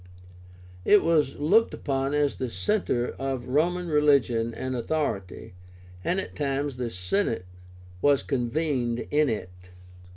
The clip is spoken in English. It was looked upon as the centre of Roman religion and authority, and at times the Senate was convened in it.